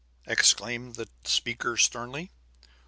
exclaimed the speaker sternly.